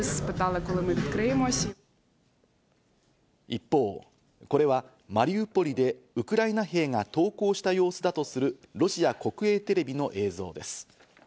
一方、これはマリウポリでウクライナ兵が投降した様子だとする、ロシア国営テレビの映像です。